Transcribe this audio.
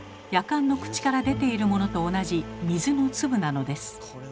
やかんの口から出ているものと同じ水の粒なのです。